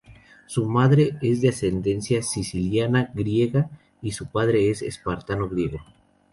Su madre es de ascendencia siciliana, griega y su padre es espartano griego.